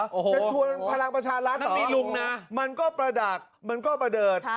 จะชวนพลังประชานรัฐหรอมันก็ประดักมันก็ประเดิด